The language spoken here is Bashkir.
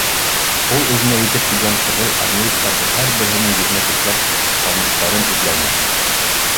Ул, үҙенә етеп килгән ҡыҙыл армеецтарҙың һәр береһенең йөҙөнә текләп, таныштарын эҙләне.